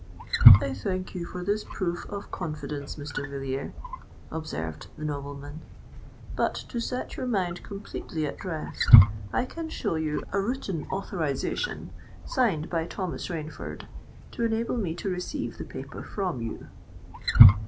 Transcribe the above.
"I thank you for this proof of confidence, Mr. Villiers," observed the nobleman: "but to set your mind completely at rest, I can show you a written authorization, signed by Thomas Rainford, to enable me to receive the paper from you."